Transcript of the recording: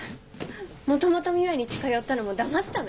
もともと美羽に近寄ったのもだますため？